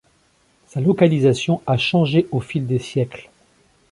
Sa localisation a changé au fil des siècles.